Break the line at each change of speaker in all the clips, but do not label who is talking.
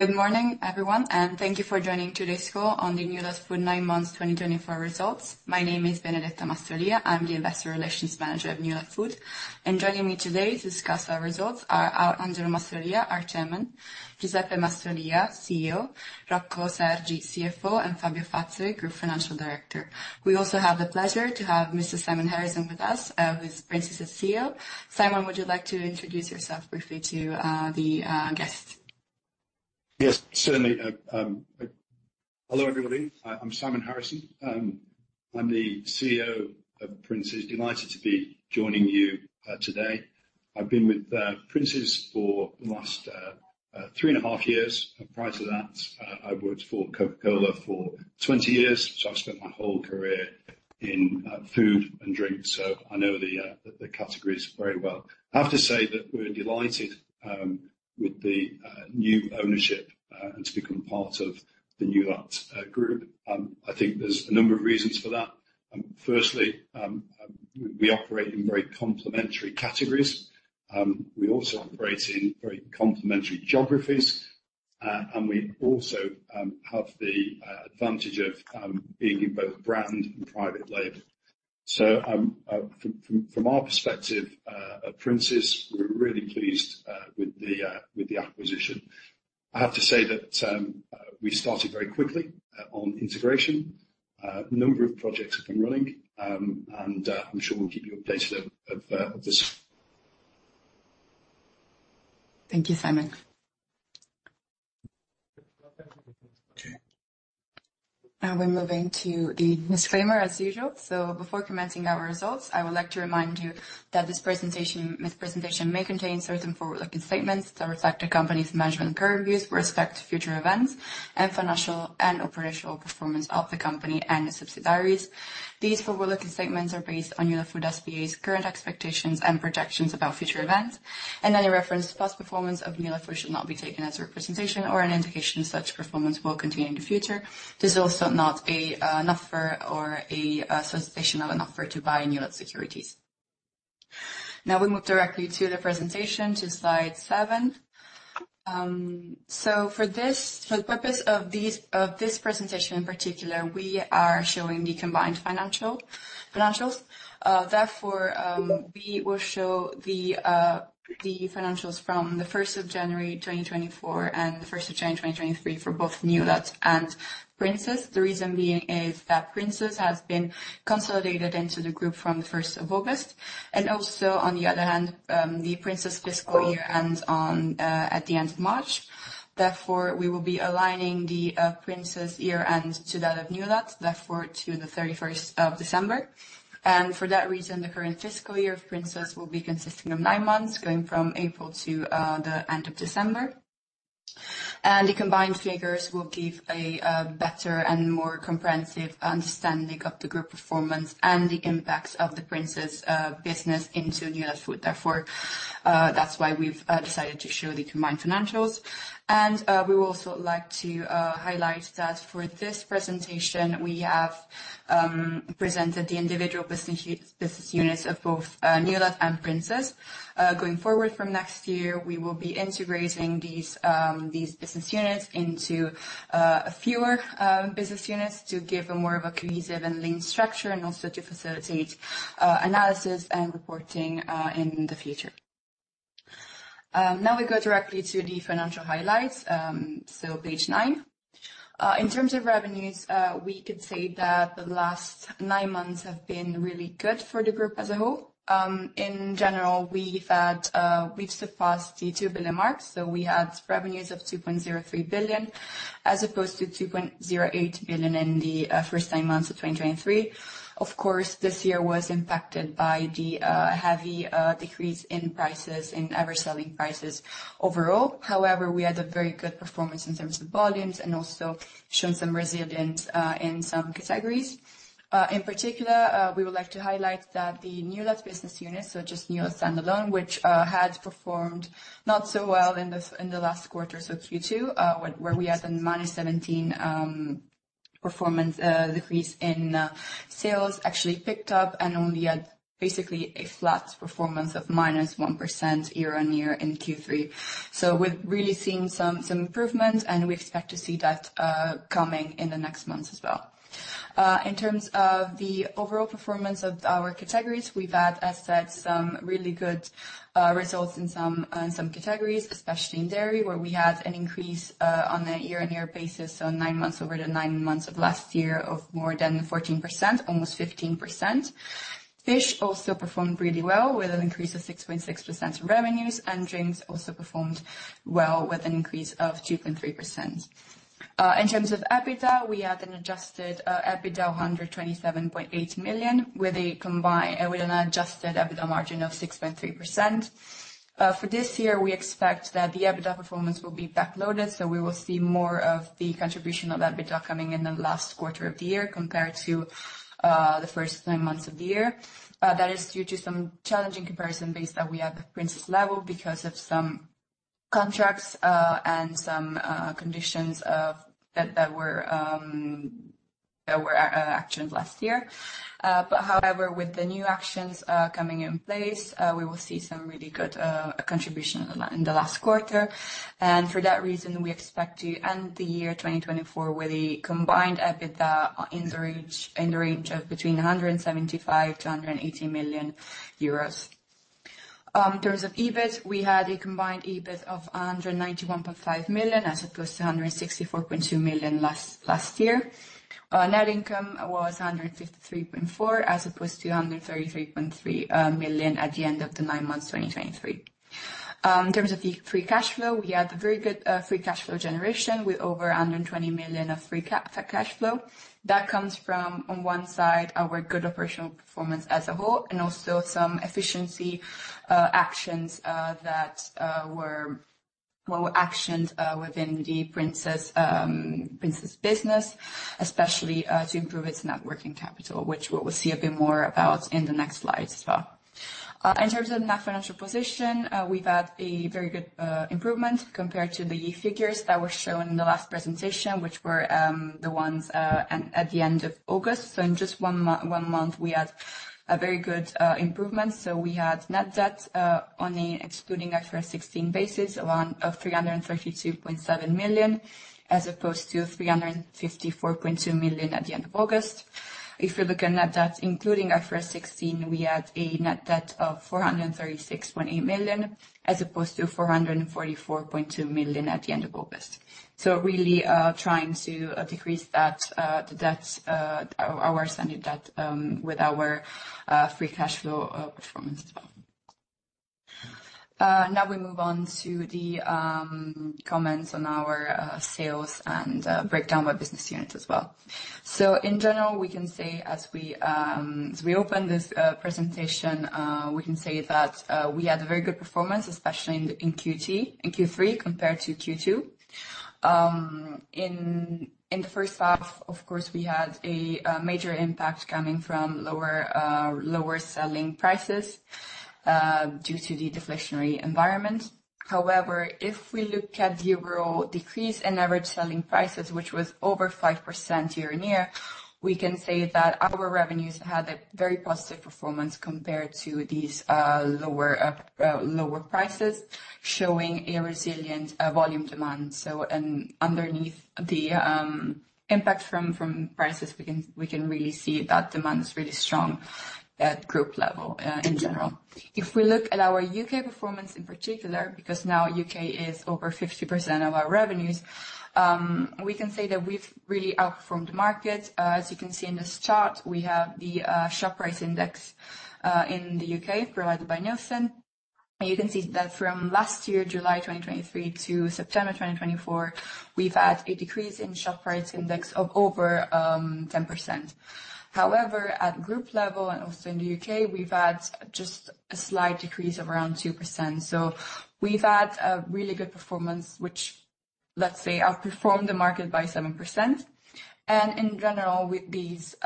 Good morning everyone and thank you for joining today's call on the Newlat Food Nine Months 2024 Results. My name is Benedetta Mastrolia, I'm the Investor Relations Manager of Newlat Food. And joining me today to discuss our results are Angelo Mastrolia, our chairman, Giuseppe Mastrolia, CEO, Rocco Sergi, CFO and Fabio Fazzari, Group Financial Director. We also have the pleasure to have Mr. Simon Harrison with us, who is Princes' CEO. Simon, would you like to introduce yourself briefly to the guests?
Yes, certainly. Hello everybody. I'm Simon Harrison, I'm the CEO of Princes. Delighted to be joining you today. I've been with Princes for the last three and a half years. Prior to that I worked for Coca-Cola for 20 years. So I've spent my whole career in food and drinks. So I know the categories very well. I have to say that we're delighted with the new ownership and to become part of the Newlat group. I think there's a number of reasons for that. Firstly, we operate in very complementary categories. We also operate in very complementary geographies and we also have the advantage of being in both brand and private label. So from our perspective at Princes, we're really pleased with the acquisition. I have to say that we started very quickly on integration. A number of projects have been running and I'm sure we'll keep you updated of this.
Thank you, Simon. Now we're moving to the disclaimer as usual. So before commenting on our results, I would like to remind you that this presentation may contain certain forward-looking statements that reflect the company's management's current views with respect to future events and financial and operational performance of the company and its subsidiaries. These forward-looking statements are based on Newlat Food S.p.A.'s current expectations and projections about future events. Any reference to past performance of Newlat should not be taken as a representation or an indication such performance will continue in the future. This is also not an offer or a solicitation of an offer to buy Newlat securities. Now we move directly to the presentation to Slide 7. For the purpose of this presentation in particular, we are showing the combined financials. Therefore, we will show the financials from 1 January 2024 and 1 January 2023 for both Newlat and Princes. The Princes has been consolidated into the group from the 1st of August. Also, on the other hand, the Princes' fiscal year ends at the end of March. Therefore, we will be aligning the Princes year end to that of Newlat, therefore to 31st December, and for that reason the current fiscal year of Princes will be consisting of nine months going from April to the end of December, and the combined figures will give a better and more comprehensive understanding of the group performance and the impacts of the Princes business into Newlat Food. Therefore, that's why we've decided to show the combined financials, and we would also like to highlight that for this presentation we have presented the individual business units of both Newlat and Princes. Going forward from next year we will be integrating these business units into a fewer business units to give a more of a cohesive and lean structure and also to facilitate analysis and reporting in the future. Now we go directly to the financial highlights, so page nine. In terms of revenues we could say that the last nine months have been really good for the group as a whole. In general we've surpassed the 2 billion mark, so we had revenues of 2.03 billion as opposed to 2.08 billion in the first nine months of 2023. Of course this year was impacted by the heavy decrease in prices in average selling prices overall. However, we had a very good performance in terms of volumes and also shown some resilience in some categories. In particular we would like to highlight that the Newlat business unit, so just Newlat standalone which had performed not so well in the last quarter so Q2 where we had a -17% performance decrease in sales actually picked up and only had basically a flat performance of -1% year-on-year in Q3. So we've really seen some improvement and we expect to see that coming in the next months as well. In terms of the overall performance of our categories, we've had as said some really good results in some categories especially in dairy where we had an increase on a year-on-year basis. So nine months over the nine months of last year of more than 14%, almost 15%. Fish also performed really well with an increase of 6.6% in revenues and drinks also performed well with an increase of 2.3%. In terms of EBITDA, we had an adjusted EBITDA of 127.8 million with a combined adjusted EBITDA margin of 6.3%. For this year, we expect that the EBITDA performance will be backloaded. We will see more of the contribution of EBITDA coming in the last quarter of the year compared to the first nine months of the year. That is due to some challenging comparison base that we have at Princes level because of some contracts and some conditions that were actioned last year. However, with the new actions coming in place, we will see some really good contribution in the last quarter. For that reason, we expect to end the year 2024 with the combined EBITDA in the range of between 175 million euros to 180 million euros. In terms of EBIT, we had a combined EBIT of 191.5 million as opposed to 164.2 million last. Last year net income was 153.4 million as opposed to 133.3 million at the end of the nine months 2023. In terms of the free cash flow, we had a very good free cash flow generation with over 120 million of free cash flow that comes from on one side our good operational performance as a whole and also some efficiency actions that were actioned within the Princes business, especially to improve its net working capital, which we'll see a bit more about in the next slide as well. In terms of net financial position, we've had a very good improvement compared to the figures that were shown in the last presentation, which were the ones at the end of August. So in just one month we had a very good improvement. So we had net debt on an excluding IFRS 16 basis of 332.7 million as opposed to 354.2 million at the end of August. If you're looking net debt including IFRS 16, we had a net debt of 436.8 million as opposed to 444.2 million at the end of August. So really trying to decrease that our standard debt with our free cash flow performance as well. Now we move on to the comments on our sales and breakdown by business unit as well. So in general we can say as we open this presentation, we can say that we had a very good performance especially in Q3 compared to Q2 in the first half, of course we had a major impact coming from lower selling prices due to the deflationary environment. However, if we look at the overall decrease in average selling prices which was over 5% year-on-year, we can say that our revenues had the very positive performance compared to these lower prices, showing a resilient volume demand. Underneath the impact from prices, we can really see that demand is really strong at group level. In general, if we look at our UK performance in particular, because now UK is over 50% of our revenues, we can say that we've really outperformed the market. As you can see in this chart, we have the Shop Price Index in the UK, provided by Nielsen, and you can see that from last year, July 2023 to September 2024, we've had a decrease in Shop Price Index of over 10%. However, at group level and also in the UK, we've had just a slight decrease of around 2%. So we've had a really good performance which, say, outperform the market by 7%. And in general, with these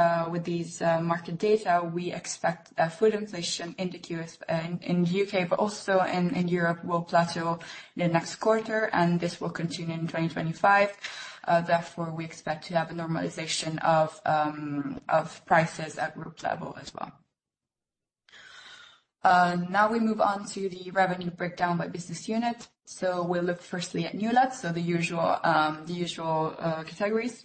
market data, we expect food inflation in the UK, but also in Europe, will plateau in the next quarter and this will continue in 2025. Therefore, we expect to have a normalization of prices at group level as well. Now we move on to the revenue breakdown by business unit. So we'll look firstly at Newlat, so the usual categories.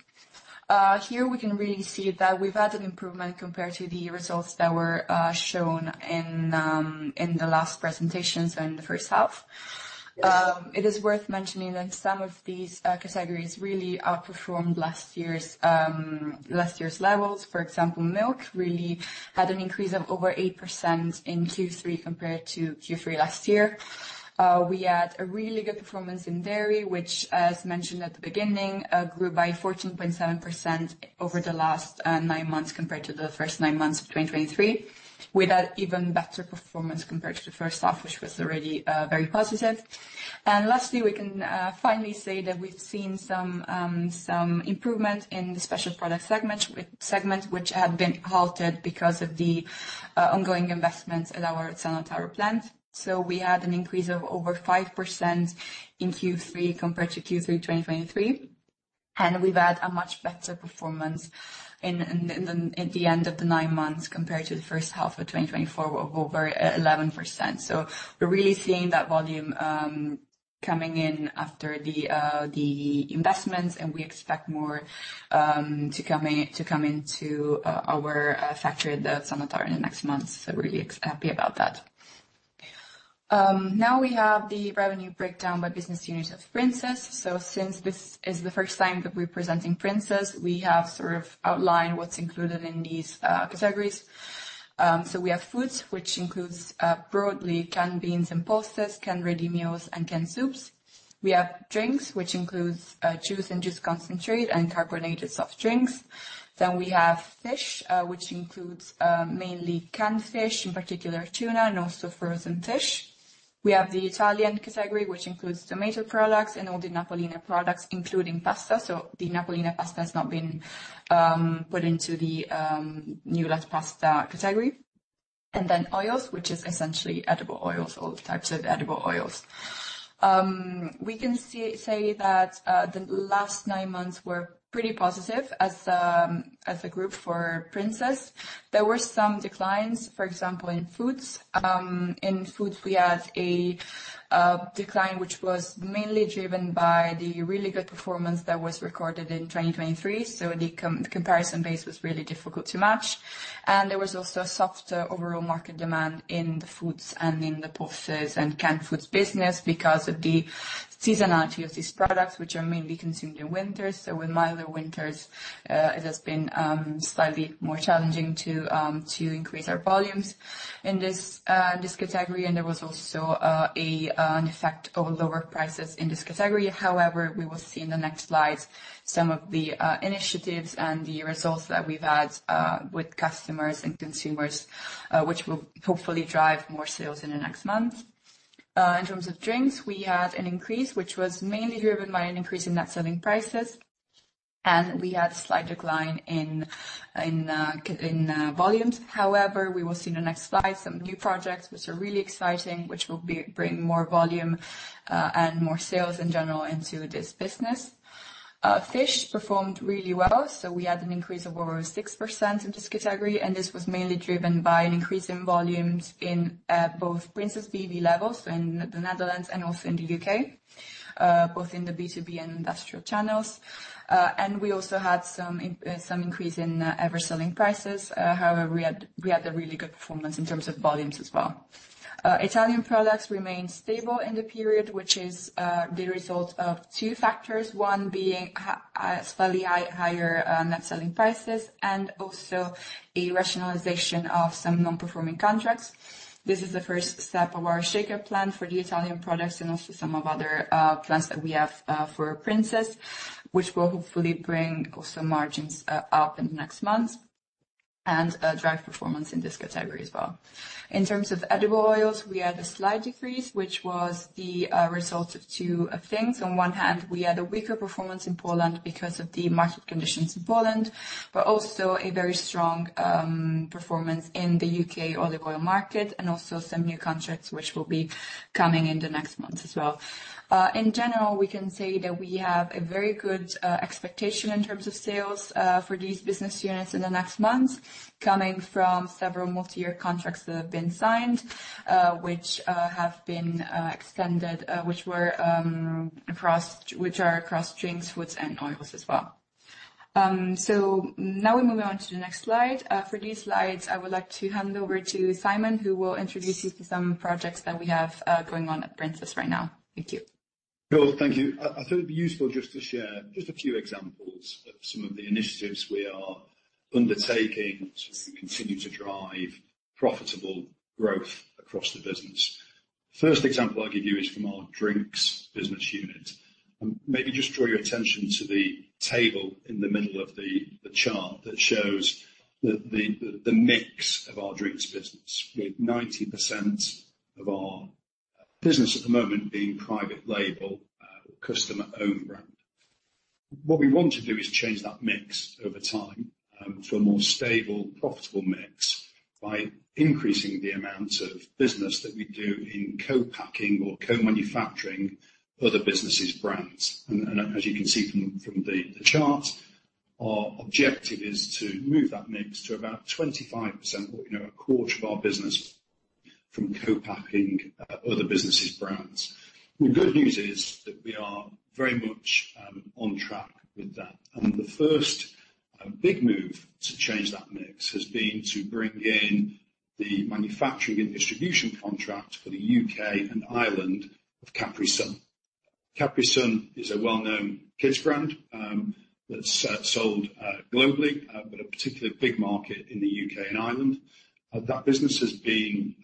Here we can really see that we've added improvement compared to the results that were shown in the last presentation. So in the first half it is worth mentioning that some of these categories really outperformed last year's levels. For example, milk really had an increase of over 8% in Q3 compared to Q3 last year. We had a really good performance in dairy, which, as mentioned at the beginning, grew by 14.7% over the last nine months compared to the first nine months of 2023. We had even better performance compared to the first half, which was already very positive. And lastly, we can finally say that we've seen some improvement in the special products segments which have been halted because of the ongoing investments at our Ozzano Taro plant. So we had an increase of over 5% in Q3 compared to Q3 2023. And we've had a much better performance in the end of the nine months compared to the first half of 2024, over 11%. So we're really seeing that volume coming in after the investments and we expect more to come into our factory, Ozzano Taro, in the next months. So really happy about that. Now we have the revenue breakdown by business unit of Princes. So since this is the first time that we're presenting Princes, we have sort of outlined what's included in these categories. So we have foods, which includes broadly canned beans and pasta, canned ready meals and canned soups. We have drinks, which includes juice, juice concentrate, and carbonated soft drinks. Then we have fish, which includes mainly canned fish, in particular tuna, and also frozen fish. We have the Italian category, which includes tomato products and all the Napolina products, including pasta. So the Napolina pasta has not been put into the Newlat's pasta category. And then oils, which is essentially edible oils, all types of edible oils. We can say that the last nine months were pretty positive as a group. For Princes there were some declines, for example in foods. In foods we had a decline which was mainly driven by the really good performance that was recorded in 2023. The comparison base was really difficult to match. There was also softer overall market demand in the foods and in the pastas and canned foods business because of the seasonality of these products which are mainly consumed in winter. With milder winters it has been slightly more challenging to increase our volumes in this category. There was also an effect of lower prices in this category. However, we will see in the next slides some of the initiatives and the results that we've had with customers and consumers which will hopefully drive more sales in the next month. In terms of drinks we had an increase which was mainly driven by an increase in net selling prices and we had slight decline in volumes. However, we will see in the next slide some new projects which are really exciting which will bring more volume and more sales in general into this business. Fish performed really well. So we had an increase of over 6% of this category and this was mainly driven by an increase in volumes in both Princes B.V. labels in the Netherlands and also in the U.K., both in the B2B and industrial channels. And we also had some increase in average selling prices. However, we had a really good performance in terms of volumes as well. Italian products remained stable in the period, which is the result of two factors. One being slightly higher net selling prices and also a rationalization of some non-performing contracts. This is the first step of our shake-up plan for the Italian products and also some other plans that we have for Princes, which will hopefully bring also margins up in the next months and drive performance in this category as well. In terms of edible oils, we had a slight decrease, which was the result of two things. On one hand, we had a weaker performance in Poland because of the market conditions in Poland, but also a very strong performance in the UK olive oil market and also some new contracts which will be coming in the next month as well. In general we can say that we have a very good expectation in terms of sales for these business units in the next months coming from several multi year contracts that have been signed which have been extended, which were across. Which are across drinks, foods and oils as well. So now we move on to the next slide. For these slides I would like to hand over to Simon who will introduce you to some projects that we have going on at Princes right now. Thank you.
Thank you. I thought it'd be useful just to share just a few examples of some of the initiatives we are undertaking to continue to drive profitable growth across the business. First example I'll give you is from our drinks business unit. Maybe just draw your attention to the table in the middle of the chart that shows the mix of our drinks business. With 90% of our business at the moment being private label, customer-owned brand, what we want to do is change that mix over time for a more stable, profitable mix by increasing the amount of business that we do in co-packing or co-manufacturing, other businesses, brands, and as you can see from the chart, our objective is to move that mix to about 25% or a quarter of our business from co-packing, other businesses, brands. The good news is that we are very much on track with that. The first big move to change that mix has been to bring in the manufacturing and distribution contract for the U.K. and Ireland of Capri-Sun. Capri-Sun is a well-known kids brand that's sold globally but a particularly big market in the U.K. and Ireland. That business has been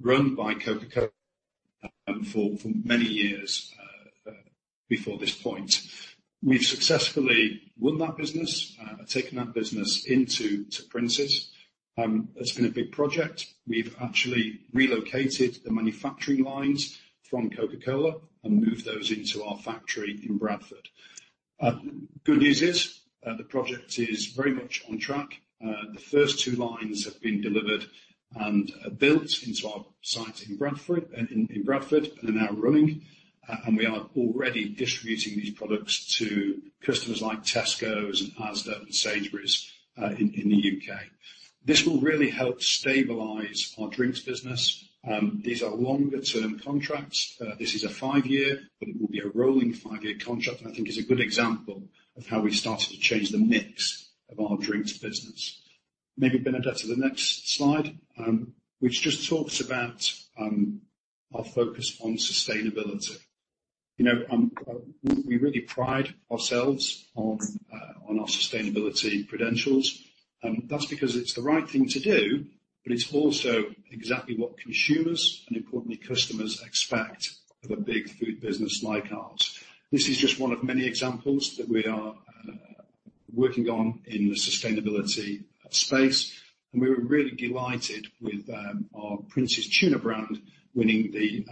run by Coca-Cola for many years. Before this point we've successfully won that business, taken that business into Princes. It's been a big project. We've actually relocated the manufacturing lines from Coca-Cola and moved those into our factory in Bradford. Good news is the project is very much on track. The first two lines have been delivered and built into our site in Bradford and are now running and we are already distributing these products to customers like Tesco and Asda and Sainsbury's in the UK. This will really help stabilize our drinks business. These are longer term contracts. This is a five-year, but it will be a rolling five-year contract and I think is a good example of how we started to change the mix of our drinks business. Maybe Benedetta to the next slide which just talks about our focus on sustainability. You know, we really pride ourselves on our sustainability credentials. That's because it's the right thing to do. But it's also exactly what consumers and importantly customers expect of a big food business like ours. This is just one of many examples that we are working on in the sustainability space. We were really delighted with our Princes Tuna brand winning the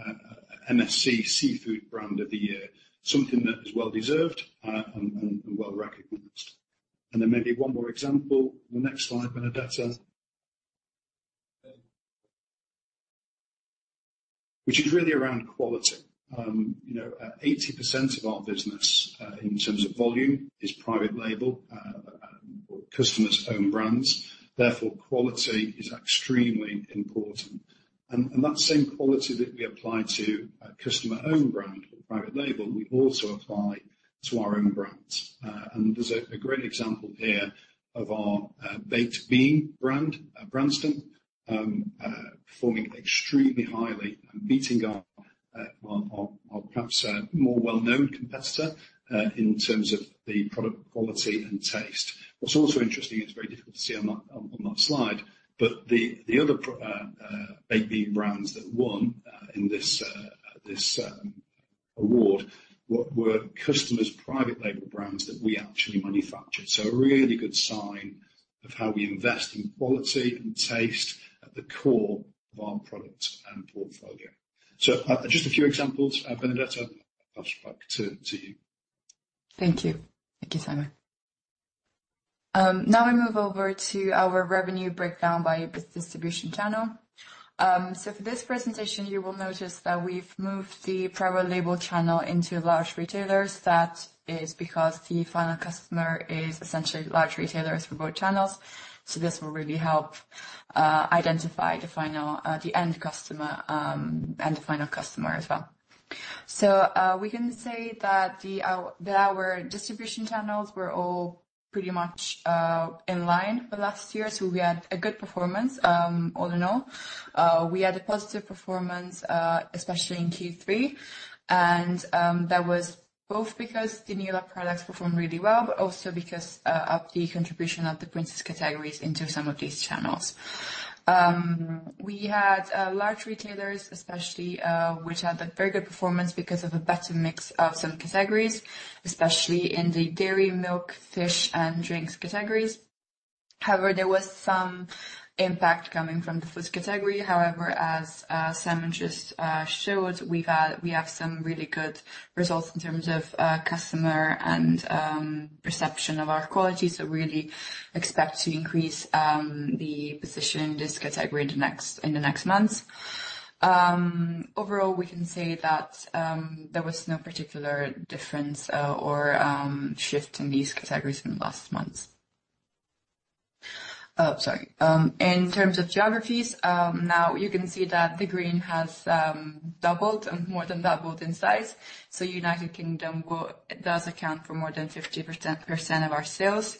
MSC Seafood Brand of the Year. Something that is well deserved and well recognized. Then maybe one more example, the next slide, Benedetta, which is really around quality, you know, 80% of our business in terms of volume is private label customers' own brands. Therefore quality is actually extremely important. That same quality that we apply to a customer owned brand, private label, we also apply to our own brands. There's a great example here of our baked bean brand, Branston, performing extremely highly and beating up our perhaps more well known competitor in terms of the product quality and taste. What's also interesting, it's very difficult to see on that slide, but the other baked bean brands that won in this award were customers' private label brands that we actually manufactured. So a really good sign of how we invest in quality and taste at the core of our product and portfolio. So just a few examples. Benedetta, I'll pass back to you.
Thank you. Thank you, Simon. Now we move over to our revenue breakdown by distribution channel. So for this presentation you will notice that we've moved the private label channel into large retailers. That is because the final customer is essentially large retailers for both channels. So this will really help identify the end customer and the final customer as well. So we can say that our distribution channels were all pretty much in line for last year. So we had a good performance. All in all we had a positive performance, especially in Q3. And that was both because the new label products performed really well, but also because of the contribution of the Princes categories into some of these channels. We had large retailers especially which had very good performance because of a better mix of some categories, especially in the dairy, milk, fish and drinks categories. However, there was some impact coming from the foods category. However, as Simon just showed, we have some really good results in terms of customer and perception of our quality. So really expect to increase the position in this category in the next months. Overall, we can say that there was no particular difference or shift in these categories in the last months.
Sorry.
In terms of geographies, now you can see that the green has doubled, more than doubled in size, so United Kingdom does account for more than 50% of our sales,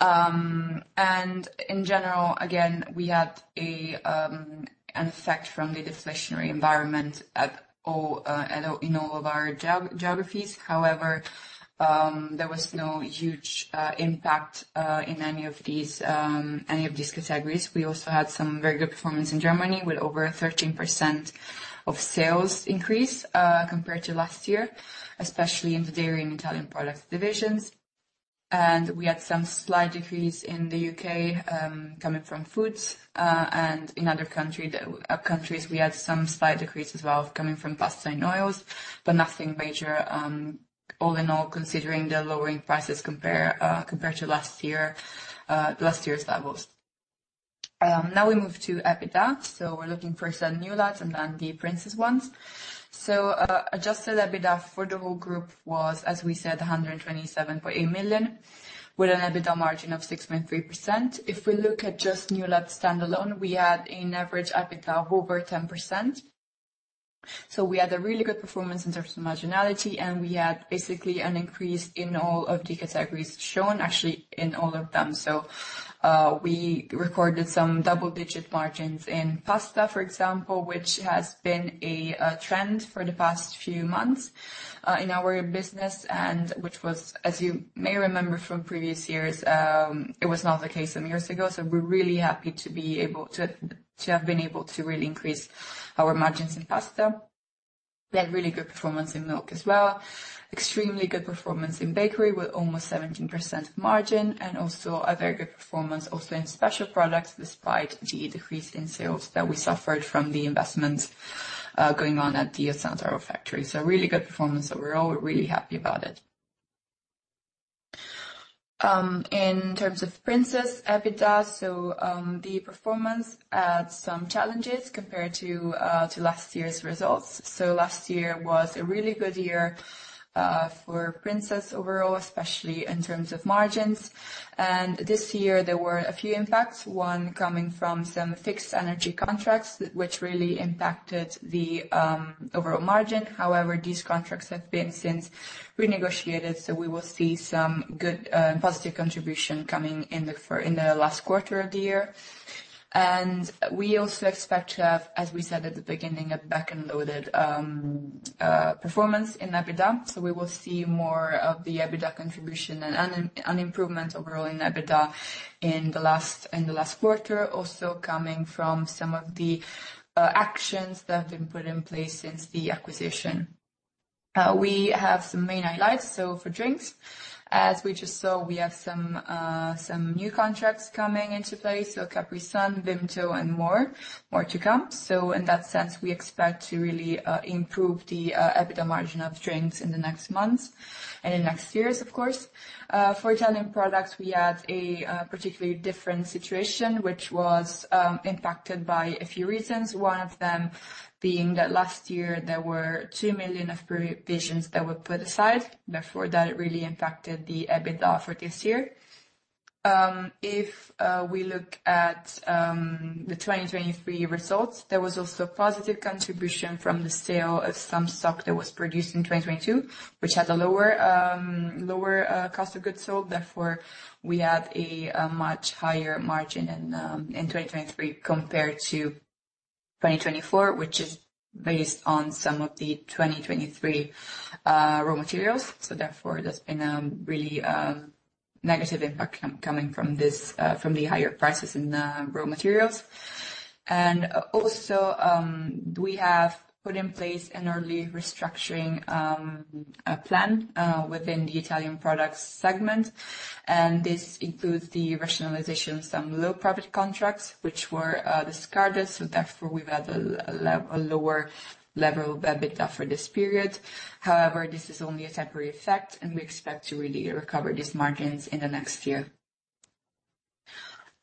and in general, again we had a effect from the deflationary environment in all of our geographies. However, there was no huge impact in any of these categories. We also had some very good performance in Germany with over 13% of sales increase compared to last year, especially in the dairy and Italian products divisions, and we had some slight decrease in the UK coming from foods and in other countries we had some slight decrease as well coming from pasta in oils, but nothing major. All in all, considering the lowering prices compared to last year, last year's levels. Now we move to EBITDA. So we're looking for some Newlat's and then the Princes ones. So, adjusted EBITDA for the whole group was, as we said, 127.8 million with an EBITDA margin of 6.3%. If we look at just Newlat standalone, we had an average EBITDA of over 10%. So we had a really good performance in terms of marginality and we had basically an increase in all of the categories shown actually in all of them. So we recorded some double digit margins in pasta for example, which has been a trend for the past few months in our business and which was as you may remember from previous years, it was not the case some years ago. So we're really happy to be able to, to have been able to really increase our margins. In pasta. We had really good performance in milk as well, extremely good performance in bakery with almost 17% margin and also a very good performance also in special products, despite the decrease in sales that we suffered from the investments going on at the Ozzano Taro factory. So really good performance overall, really happy about overall in terms of Princes EBITDA. So the performance add some challenges compared to last year's results. So last year was a really good year for Princes overall, especially in terms of margins. And this year there were a few impacts. One coming from some fixed energy contracts which really impacted the overall margin. However, these contracts have been since renegotiated. So we will see some good positive contribution coming in the last quarter of the year. And we also expect to have, as we said at the beginning, a back end loaded performance in EBITDA. So we will see more of the EBITDA contribution and improvement overall in EBITDA in the last quarter. Also coming from some of the actions that have been put in place since the acquisition. We have some main highlights. So for drinks, as we just saw, we have some new contracts coming into place. So Capri-Sun, Vimto and more to come. So in that sense we expect to really improve the EBITDA margin of drinks in the next months. And in next years, of course for Italian products we had a particularly different situation which was impacted by a few reasons. One of them being that last year there were 2 million of provisions that were put aside. Therefore that really impacted the EBITDA for this year. If we look at the 2023 results, there was also positive contribution from the sale of some stock that was produced in 2022, which had a lower cost of goods sold. Therefore we had a much higher margin in 2023 compared to 2024, which is based on some of the 2023 raw materials, so therefore there's been a really negative impact coming from this, from the higher prices in raw materials, and also we have put in place an early restructuring plan within the Italian products segment and this includes the rationalization of some low-profit contracts which were discarded, so therefore we've had a lower level of EBITDA for this period. However, this is only a temporary effect and we expect to really recover these margins in the next year.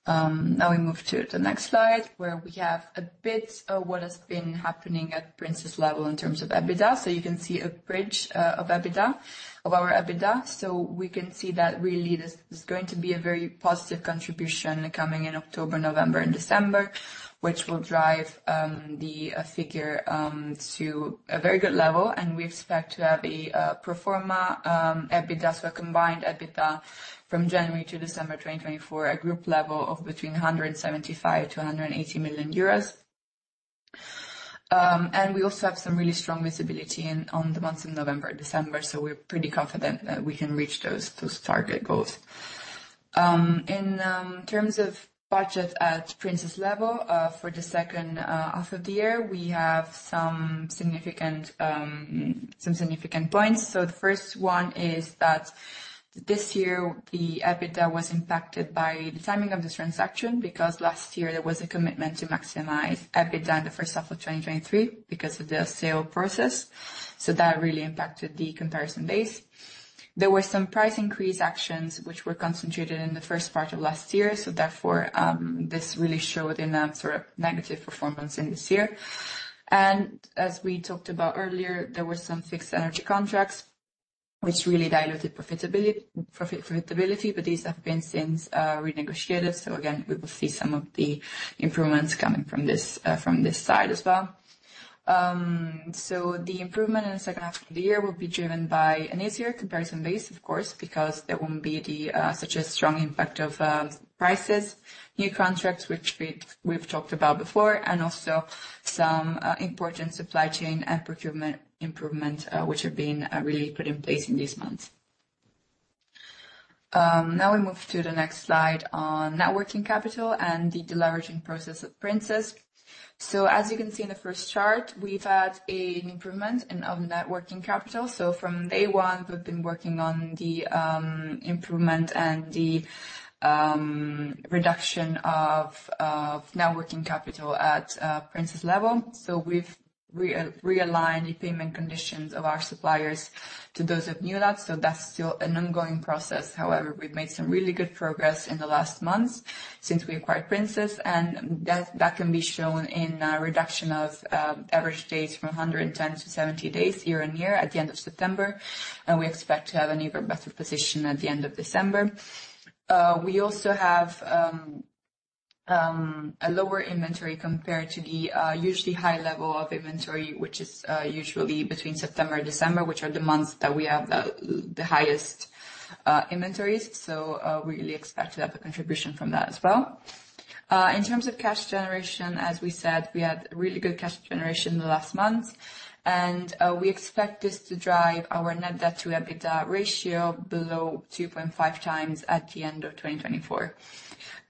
Now we move to the next slide where we have a bit of what has been happening at Princes level in terms of EBITDA. So you can see a bridge of EBITDA of our EBITDA. So we can see that really this is going to be a very positive contribution coming in October, November and December, which will drive the figure to a very good level. And we expect to have a pro forma EBITDA. So a combined EBITDA from January to December 2024, a group level of between 175 million-180 million euros. And we also have some really strong visibility on the months of November, December. So we're pretty confident that we can reach those target goals in terms of budget at Princes level for the second half of the year. We have some significant points. So the first one is that this year the EBITDA was impacted by the timing of this transaction because last year there was a commitment to maximize EBITDA in the first half of 2023 because of the sale process. So that really impacted the comparison base. There were some price increase actions which were concentrated in the first part of last year. So therefore this really showed in a sort of negative performance in this year. And as we talked about earlier, there were some fixed energy contracts which really diluted profitability. But these have been since renegotiated. So again we will see some of the improvements coming from this side as well. The improvement in the second half of the year will be driven by an easier comparison base, of course, because there won't be such a strong impact of prices, new contracts, which we've talked about before, and also some important supply chain and procurement improvement which have been really put in place in these months. Now we move to the next slide on net working capital and the deleveraging process of Princes. So as you can see in the first chart, we've had an improvement of net working capital. So from day one we've been working on the improvement and the reduction of net working capital at Princes level. So we've realigned the payment conditions of our suppliers to those of Newlat. So that's still an ongoing process. However, we've made some really good progress in the last months since we acquired Princes and that can be shown in reduction of average days from 110 to 70 days year-on-year at the end of September and we expect to have an even better position at the end of December. We also have a lower inventory compared to the usually high level of inventory, which is usually between September, December, which are the months that we have the highest inventories. So we really expect to have a contribution from that as well. In terms of cash generation, as we said, we had really good cash generation the last month and we expect this to drive our net debt to EBITDA ratio below 2.5 times at the end of 2024.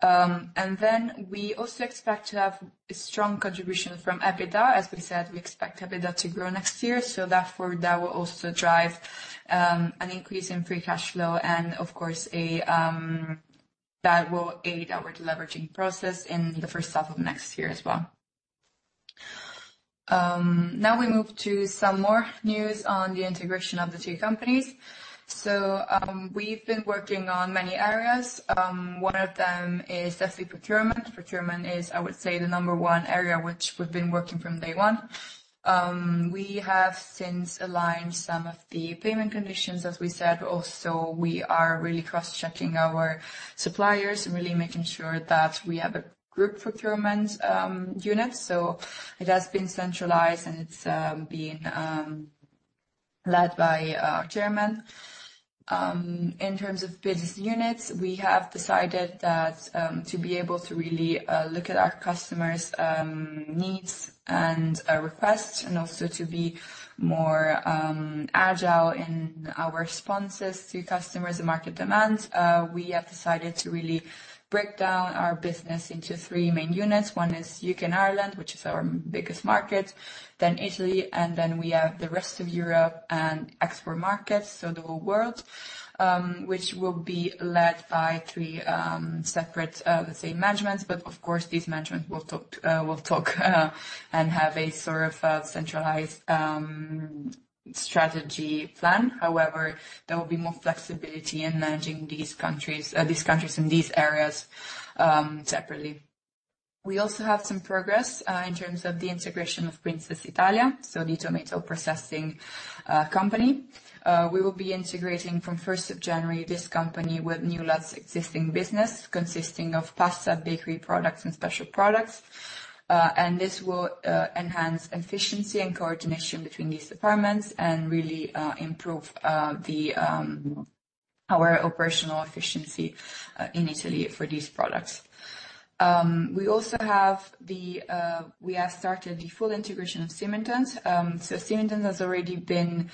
Then we also expect to have a strong contribution from EBITDA. As we said, we expect EBITDA to grow next year, so therefore that will also drive an increase in Free Cash Flow and of course that will aid our deleveraging process in the first half of next year as well. Now we move to some more news on the integration of the two companies, so we've been working on many areas. One of them is definitely procurement. Procurement is, I would say, the number one area which we've been working on. From the outset, we have since aligned some of the payment conditions as we said. Also we are really cross checking our suppliers, really making sure that we have a group procurement unit, so it has been centralized and it's been led by our Chairman in terms of business units. We have decided that to be able to really look at our customers' needs and requests and also to be more agile in our responses to customers and market demands, we have decided to really break down our business into three main units. One is UK and Ireland, which is our biggest market, then Italy and then we have the rest of Europe and export markets. So the whole world which will be led by three separate, let's say management. But of course these management will talk and have a sort of centralized strategy plan. However, there will be more flexibility in managing these countries, these countries in these areas. Separately we also have some progress in terms of the integration of Princes Italia. So the tomato processing company we will be integrating from 1st of January this company with Newlat as existing business consisting of pasta, bakery products and special products. And this will enhance efficiency and coordination between these departments and really improve our operational efficiency in Italy for these products. We have started the full integration of Symington's. So Symington's has already been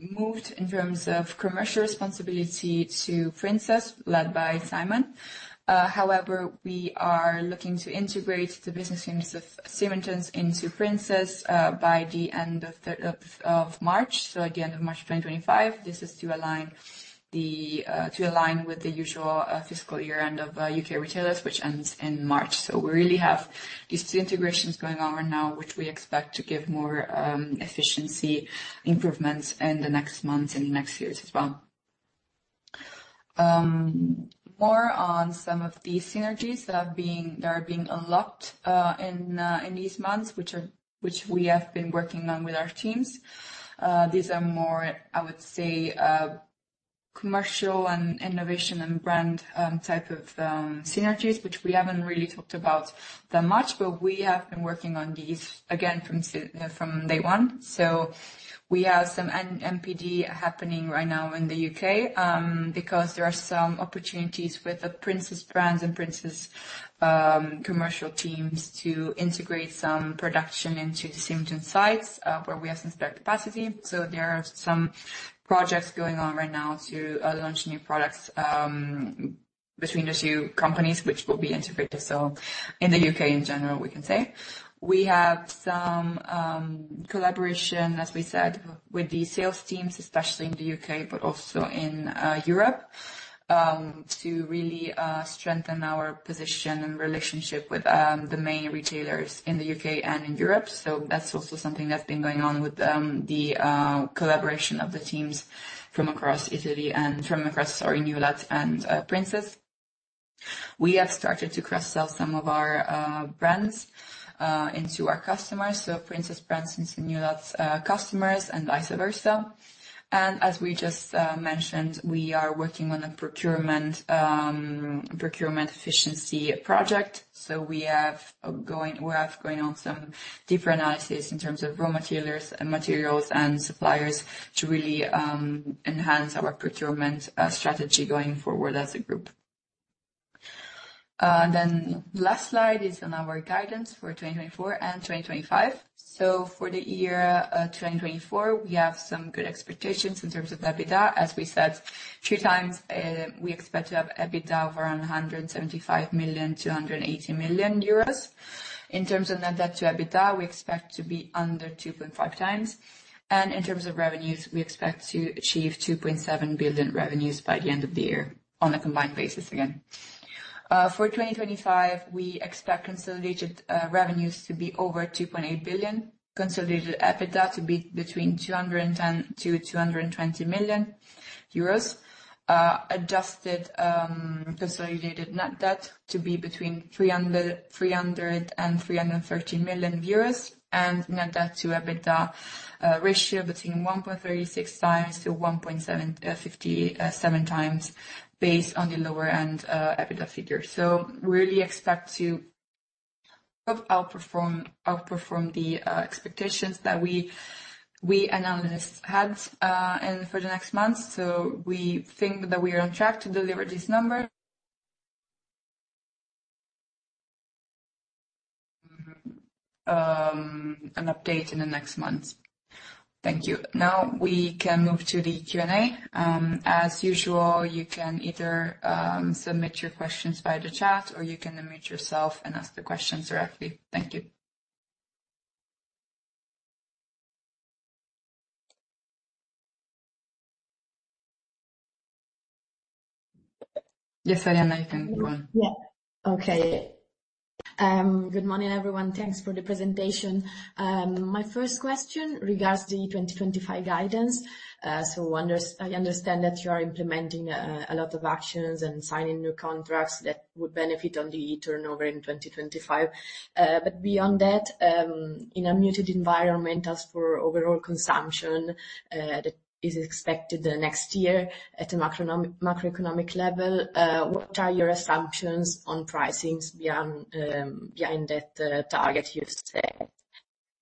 moved in terms of commercial responsibility to Princes, led by Simon. However, we are looking to integrate the business units of Symington's into Princes by the end of March. So at the end of March 2025, this is to align with the usual fiscal year end of U.K. retailers which ends in March. So we really have these two integrations going on right now which we expect to give more efficiency improvements in the next months and next years as well. More on some of these synergies that are being unlocked in these months which are, which we have been working on with our teams. These are more, I would say, commercial and innovation and brand type of synergies which we haven't really talked about, about that much, but we have been working on these again from, from day one, so we have some NPD happening right now in the UK because there are some opportunities with the Princes brands and Princes commercial teams to integrate some production into the Symington's sites where we have some spare capacity, so there are some projects going on right now to launch new products between the two companies which will be integrated. In the UK in general we can say we have some collaboration, as we said, with the sales teams, especially in the UK, but also in Europe, to really strengthen our position and relationship with the main retailers in the UK and in Europe. That's also something that's been going on with the collaboration of the teams from across Italy and from across Newlat and Princes. We have started to cross sell some of our brands into our customers, so Princes brands into Newlat's customers and vice versa. As we just mentioned, we are working on a procurement efficiency project. We have going on some deeper analysis in terms of raw materials and materials and suppliers to really enhance our procurement strategy going forward as a group. The last slide is on our guidance for 2024 and 2025. So for the year 2024 we have some good expectations in terms of EBITDA. As we said three times, we expect to have EBITDA of around 175-280 million euros. In terms of net debt to EBITDA we expect to be under 2.5 times. And in terms of revenues we expect to achieve 2.7 billion in revenues by the end of the year on a combined basis. Again for 2025 we expect consolidated revenues to be over 2.8 billion. Consolidated EBITDA to be between 210-220 million euros. Adjusted consolidated net debt to be between 300-313 million euros and net debt to EBITDA ratio between 1.36 times-1.757 times based on the lower end EBITDA figure. So we really expect to outperform the expectations that we analysts had for the next month. So we think that we are on track to deliver this number. An update in the next month. Thank you. Now we can move to the Q and A as usual. You can either submit your questions by the chat or you can unmute yourself and ask the questions directly. Thank you. Yes, Arianna, you can go on. Yeah. Okay. Good morning, everyone. Thanks for the presentation. My first question regards the 2025 guidance. So I understand that you are implementing a lot of actions and signing new contracts that would benefit on the turnover in 2025. But beyond that, in a muted environment. As for overall consumption is expected next year at a macroeconomic level, what are your assumptions on pricing behind that target you set?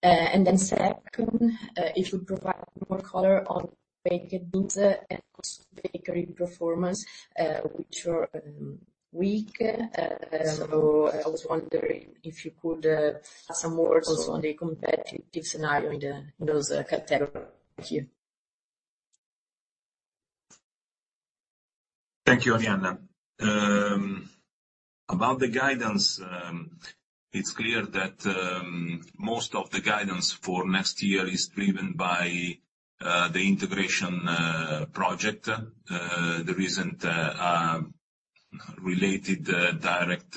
And then second, if you provide more color on baked goods and co-pack bakery performance, which are weak. So I was wondering if you could add some words also on the competitive scenario in those categories. Thank you.
Thank you. Arianna, about the guidance. It's clear that most of the guidance for next year is driven by the integration project, the recent related direct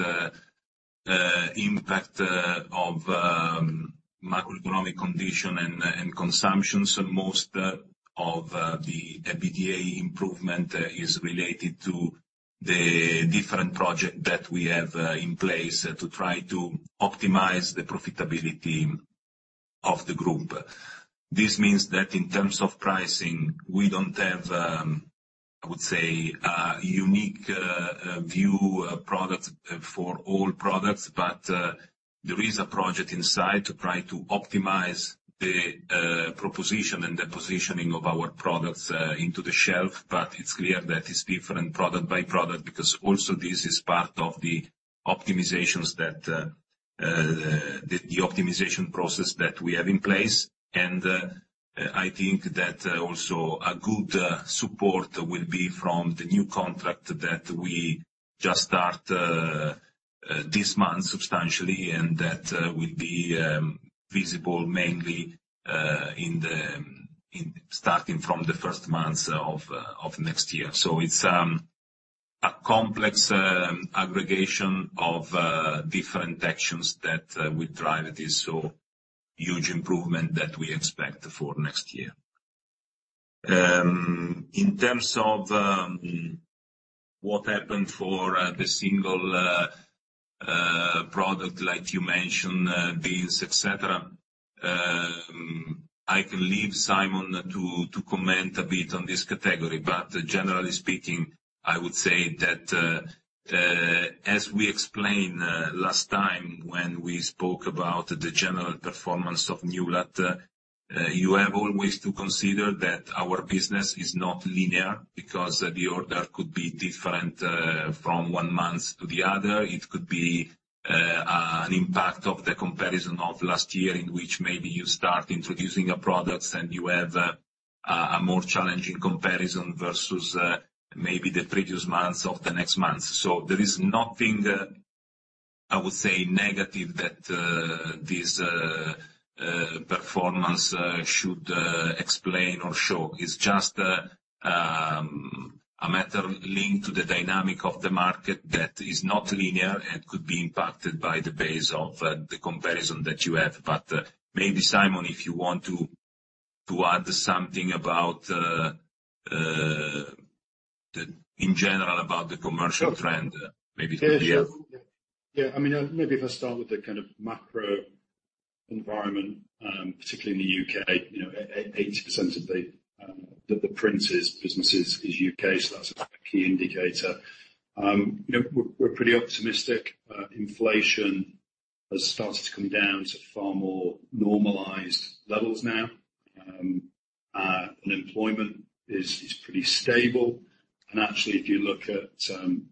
impact of macroeconomic condition and consumption. So most of the EBITDA improvement is related to the different project that we have in place to try to optimize the profitability of the group. This means that in terms of pricing we don't have I would say unique view products for all products. But there is a project inside to try to optimize the proposition and the positioning of our products into the shelf. But it's clear that it's different product by product because also this is part of the optimizations that the optimization process that we have in place. And I think that also a good support will be from the new contract that we just start this month substantially and that will be visible mainly in the starting from the first month of next year. So it's a complex aggregation of different actions that we drive this so huge improvement that we expect for next year in terms of what happened for the single product. Like you mentioned, beans, etc. I can leave Simon to comment a bit on this category. But generally speaking, I would say that as we explained last time when we spoke about the general performance of Newlat, you have always to consider that our business is not linear because the order could be different from what one month to the other. It could be an impact of the comparison of last year in which maybe you start introducing a product and you have a more challenging comparison versus maybe the previous months of the next month. So there is nothing, I would say, negative that this performance should explain or show. It's just a matter linked to the dynamic of the market that is not linear and could be impacted by the base of the comparison that you have. But maybe, Simon, if you want to add something about in general about the commercial trend, maybe.
Yeah, I mean maybe if I start with the kind of macro environment, particularly in the UK, 80% of the Princes business is UK so that's a key indicator. We're pretty optimistic. Inflation has started to come down to far more normalized levels now. Unemployment is pretty stable and actually if you look at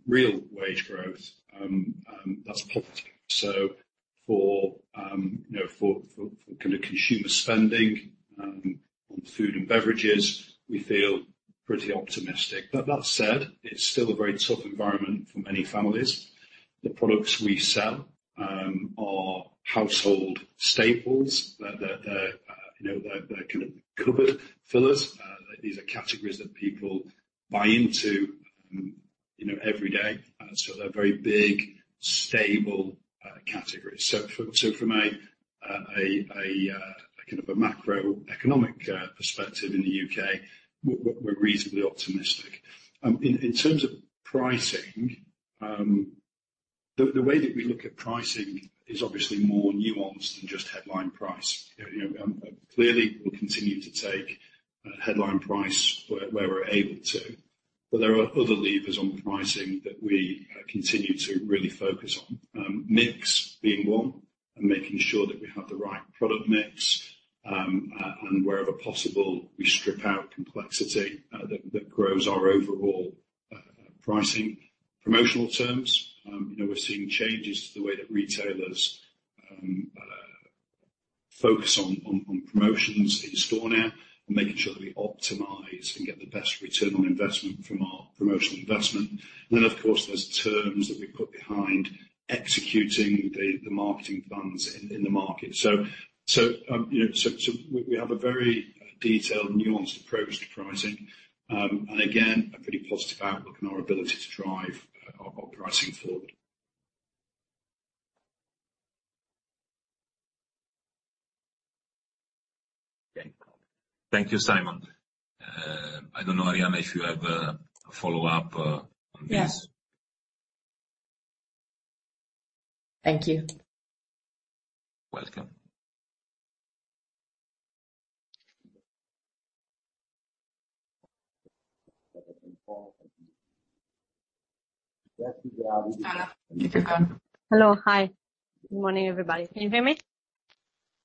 real wage growth that's positive. So for kind of consumer spending on food and beverages, we feel pretty optimistic. But that said, it's still a very tough environment for many families. The products we sell are household staples. They're kind of cupboard fillers. These are categories that people buy into every day. So they're very big stable categories. So from a kind of macroeconomic perspective in the UK, we're reasonably optimistic in terms of pricing. The way that we look at pricing is obviously more nuanced than just headline price. Clearly, we'll continue to take headline price where we're able to, but there are other levers on pricing that we continue to really focus on, mix being one, and making sure that we have the right product mix, and wherever possible we strip out complexity that grows our overall pricing. Promotional terms. You know, we're seeing changes to the way that retailers focus on promotions in store now, making sure that we optimize and get the best return on investment from our promotional investment, then of course there's terms that we put behind executing the marketing funds in the market, so we have a very detailed, nuanced approach to pricing, and again, a pretty positive outlook on our ability to drive pricing forward.
Thank you, Simon. I don't know, Arianna, if you have a follow-up. Yes. Thank you. Welcome. Hello. Hi, good morning everybody. Can you hear me?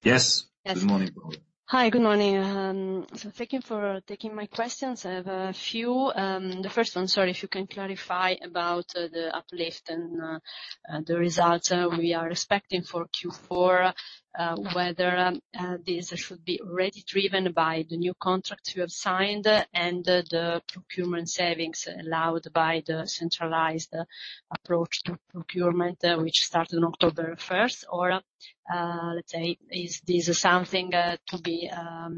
Yes, good morning, Paula. Hi, good morning. Thank you for taking my questions. I have a few. The first one, sorry, if you can clarify about the uplift and the results we are expecting for Q4, whether this should be already driven by the new contracts you have signed and the procurement savings allowed by the centralized approach to procurement which started on October 1st? Or is this something to be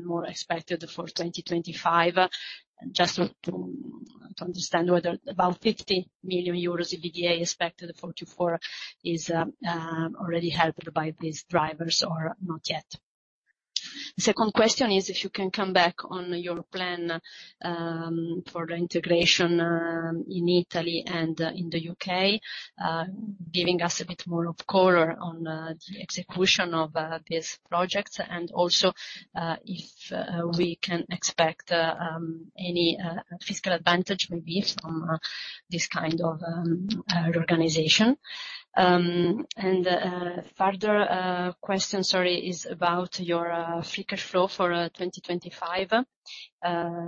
more expected for 2025? Just to understand whether about 50 million euros EBITDA expected for Q4 is already helped by these drivers or not yet. The second question is if you can come back on your plan for the integration in Italy and in the UK, giving us a bit more of color on the execution of this and also if we can expect any fiscal advantage maybe from this kind of organization. Further question, sorry, is about your free cash flow for 2025,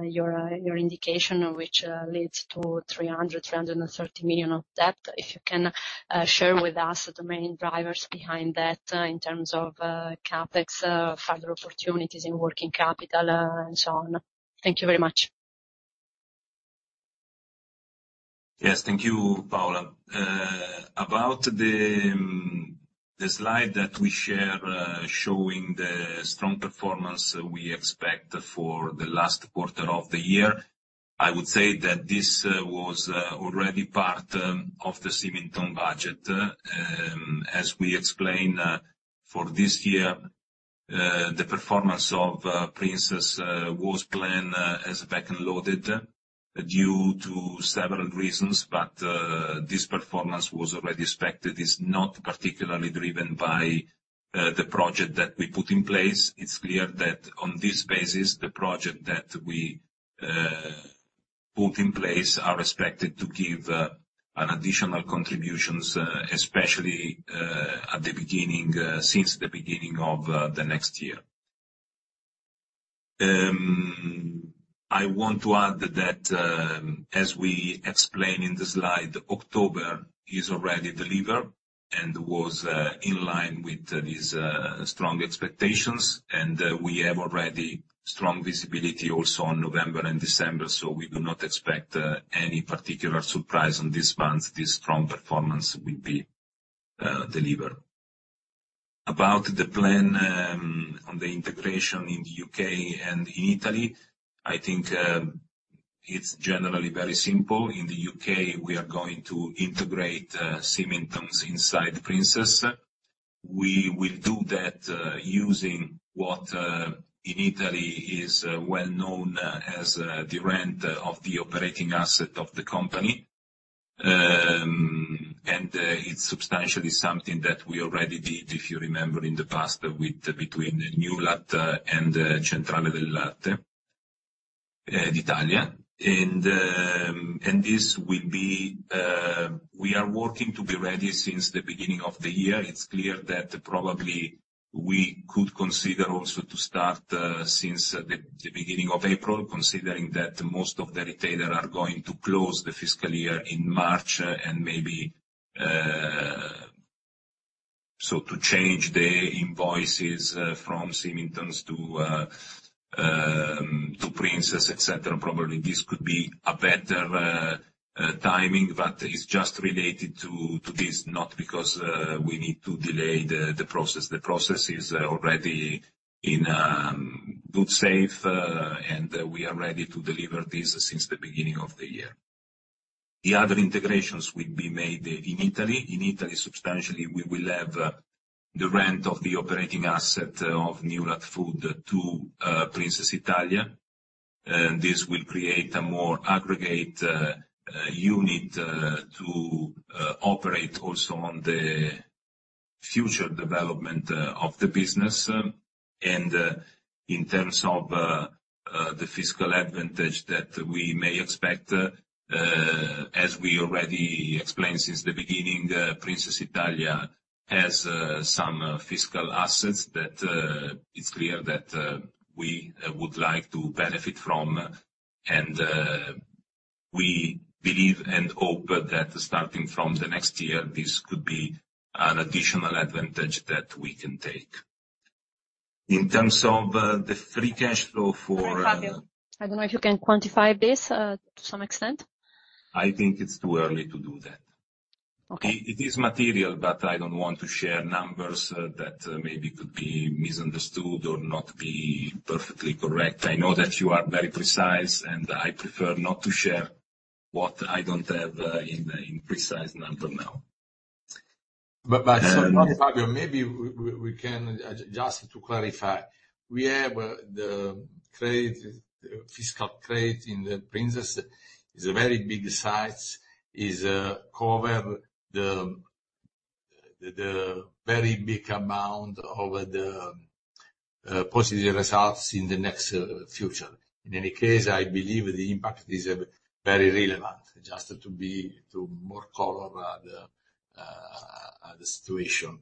your indication, which leads to 300-330 million of debt. If you can share with us the main drivers behind that in terms of CapEx, further opportunities in working capital and so on. Thank you very much. Yes, thank you Paula. About the slide that we share showing the strong performance we expect for the last quarter of the year, I would say that this was already part of the Symington budget. As we explained for this year, the performance of Princes was planned as back end loaded due to several reasons, but this performance was already expected, is not particularly driven by the project that we put in place. It's clear that on this basis the project that we put in place are expected to give an additional contributions especially at the beginning, since the beginning of the next year. I want to add that as we explained in the slide, October is already delivered and was in line with these strong expectations, and we have already strong visibility also on November and December, so we do not expect any particular surprise on this month. This strong performance will be delivered. About the plan on the integration in the UK and in Italy, I think it's generally very simple. In the UK we are going to integrate Symington's inside Princes. We will do that using what in Italy is well known as the rent of the operating asset of the company. And it's substantially something that we already did, if you remember in the past, with between Newlat and Centrale del Latte d'Italia. And this will be. We are working to be ready since the beginning of the year. It's clear that probably we could consider also to start since the beginning of April, considering that most of the retailers are going to close the fiscal year in March and May. So to change the invoices from Symington's to Princes etc. Probably this could be a better timing, but it's just related to this, not because we need to delay the process. The process is already in good shape and we are ready to deliver this since the beginning of the year. The other integrations will be made in Italy. In Italy, substantially we will have the rent of the operating asset of Newlat Food to Princes Italia and this will create a more aggregate unit to operate also on the future development of the business. In terms of the fiscal advantage that we may expect. As we already explained since the beginning, Princes Italia has some fiscal assets that it's clear that we would like to benefit from. We believe and hope that starting from the next year this could be an additional advantage that we can take. In terms of the Free Cash Flow. For, I don't know if you can quantify this to some extent. I think it's too early to do that. Okay, it is material but I don't want to share numbers that maybe could be misunderstood or not be perfectly correct. I know that you are very precise and I prefer not to share what I don't have in the imprecise number. Now.
Maybe we can just to clarify. We have the fiscal credit in. The Princes is a very big size. This covers the. Very big amount of. The positive results in the next future. In any case, I believe the impact. It's very relevant just to give more color. The situation.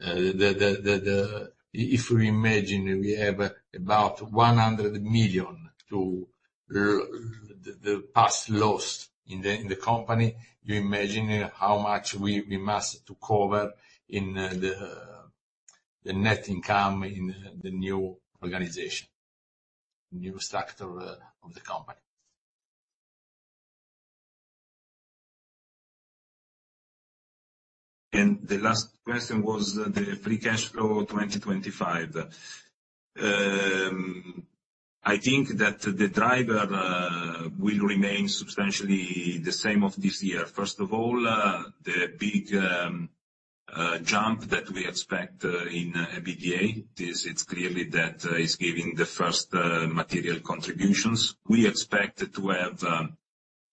If we imagine we have about 100. million to the past loss in the. Company, you imagine how much we must. To cover in the net income. The new organization, new structure of the company.
The last question was the Free Cash Flow 2025. I think that the driver will remain substantially the same of this year. First of all, the big jump that we expect in EBITDA it's clearly that is giving the first material contribution. We expect to have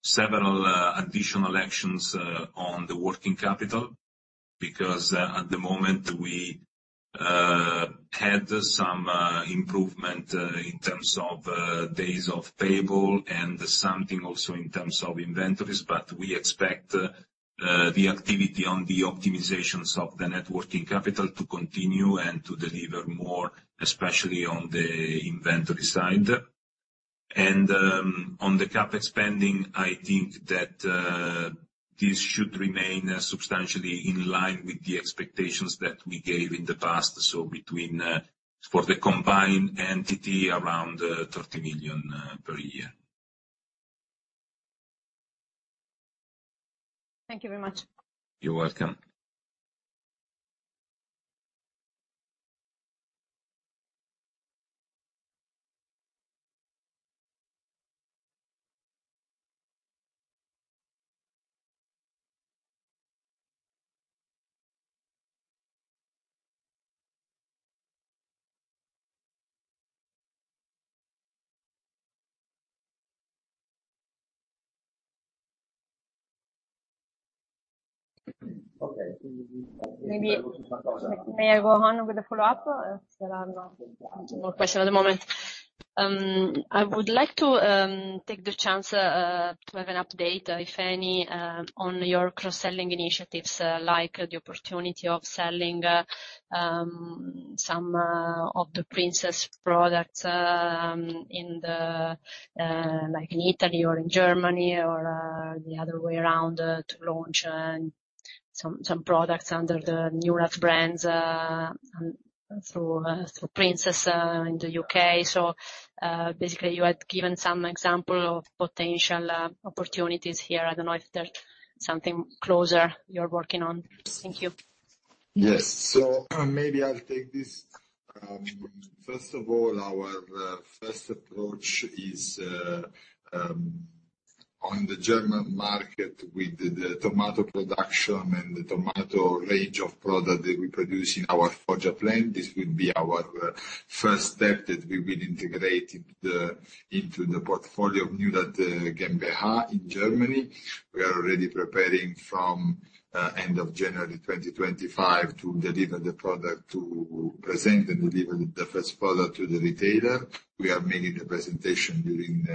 several additional actions on the Working Capital because at the moment we had some improvement in terms of days of payable and something also in terms of inventories. We expect the activity on the optimizations of the Net Working Capital to continue and to deliver more especially on the inventory side and on the CapEx spending. I think that this should remain substantially in line with the expectations that we gave in the past. Between for the combined entity around 30 million per year. Thank you very much. You're welcome. It. May I go on with a follow-up question? At the moment I would like to take the chance to have an update if any on your cross-selling initiatives like the opportunity of selling some of the Princes products in the like in Italy or in Germany or the other way around to launch some products under the Newlat brands through Princes in the UK. So basically you had given some example of potential opportunities here. I don't know if there's something closer you're working on. Thank you.
Yes. So maybe I'll take this. First of all our first approach is on the German market with the tomato production and the tomato range of products that we produce. In our Foggia plant. This will be our first step that we will integrate into the portfolio of Newlat GmbH in Germany. We are already preparing from end of January 2025 to deliver the product to Princes and deliver the first product to the retailer. We are making the presentation during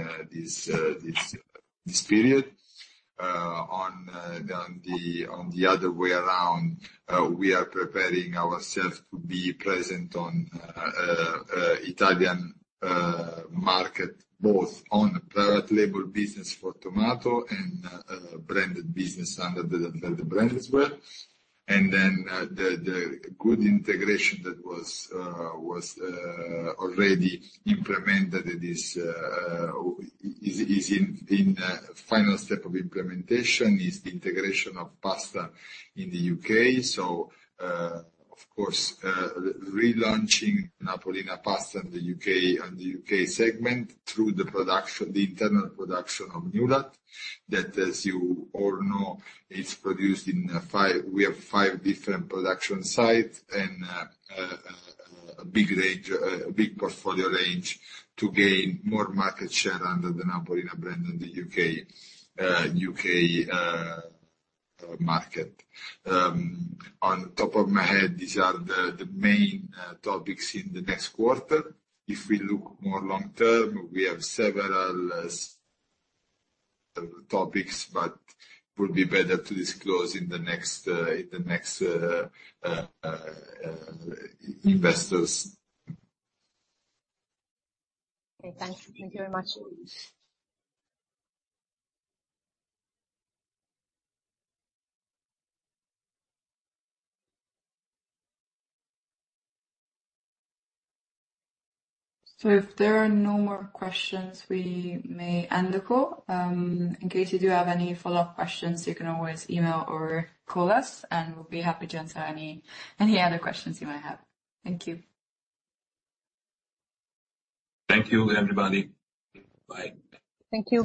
this period. On the other way around, we are preparing ourselves to be present on Italian market both on private label business for tomato and branded business under the brand as well. And then the good integration that was already implemented is in final step of implementation is the integration of pasta in the UK. So of course relaunching Napolina pasta in the UK and the UK segment through the production the internal production of Newlat that as you all know is produced in five. We have five different production sites and a big portfolio range to gain more market share under the Napolina brand in the UK market. On top of my head, these are the main topics in the next quarter. If we look more long term, we have several topics but will be better to disclose in the next investors. Okay, thank you. Thank you very much.
So if there are no more questions, we may end the call. In case you do have any follow up questions, you can always email or call us and we'll be happy to answer any other questions you might have. Thank you.
Thank you everybody. Bye. Thank you.